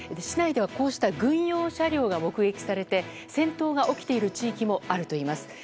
市内ではこうした軍用車両が目撃されて戦闘が起きている地域もあるといいます。